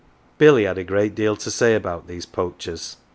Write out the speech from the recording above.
Billy had a great deal to say about these poachers.